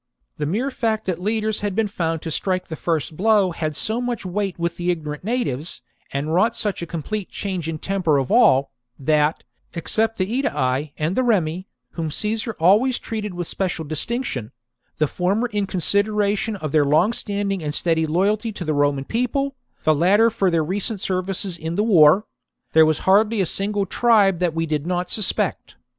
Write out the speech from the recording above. The mere fact that leaders had been found to strike the first blow had so much weight with the ignorant natives, and wrought such a complete change in the temper of all, that, except the Aedui and the Remi, whom Caesar always treated with special distinction — the former in consideration of their long standing and steady loyalty to the Roman People, the latter for their recent services in the war — there was hardly a single tribe that we did not suspect.